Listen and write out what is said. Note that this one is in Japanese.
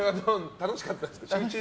楽しかったです。